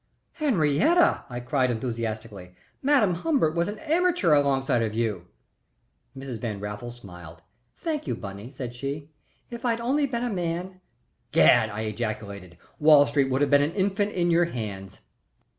"Henriette!" I cried, enthusiastically, "Madam Humbert was an amateur alongside of you." Mrs. Van Raffles smiled. "Thank you, Bunny," said she. "If I'd only been a man " "Gad!" I ejaculated. "Wall Street would have been an infant in your hands."